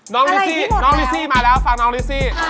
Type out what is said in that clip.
น้องลิซิน้องลิซิมาร้าฝากน้องลิซิ